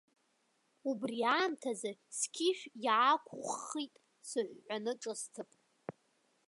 Убри аамҭазы сқьышә иаақәыххит, сыҳәҳәаны ҿысҭып.